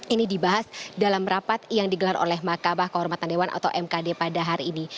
ini dibahas dalam rapat yang digelar oleh makabah kehormatan dewan atau mkd pada hari ini